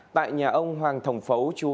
tại nhà ông hoàng thổng phấu